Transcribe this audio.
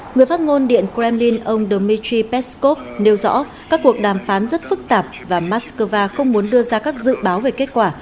người phát ngôn điện kremlin ông dmitry peskov nêu rõ các cuộc đàm phán rất phức tạp và moscow không muốn đưa ra các dự báo về kết quả